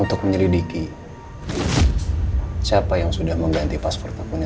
untuk menyelidiki siapa yang sudah mengganti paspor takutnya